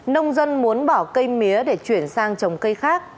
nông dân muốn bỏ cây mía để chuyển sang trồng cây khác